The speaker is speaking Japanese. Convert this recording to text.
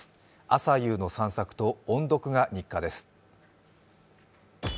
朝夕の散策と音読が日課です。